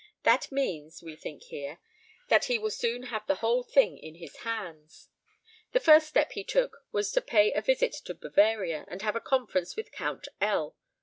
That means, we think here, that he will soon have the whole thing in his hands. The first step he took was to pay a visit to Bavaria and have a conference with Count L.